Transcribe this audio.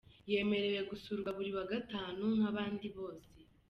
Yemerewe gusurwa buri wa Gatanu nk’abandi bose.